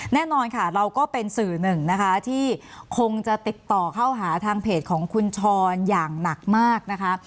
แน่นอนค่ะเราก็เป็นสื่อหนึ่งนะคะที่คงจะติดต่อเข้าหาทางเพจของคุณชรอย่างหนักมากนะคะ